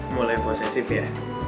mulai posesif ya